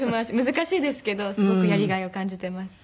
難しいですけどすごくやりがいを感じてます。